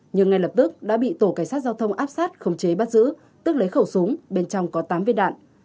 nhưng ngay lập tức đã bị tổ cảnh sát giao thông áp sát khống chế bắt giữ tức lấy khẩu súng bên trong có tám viên đạn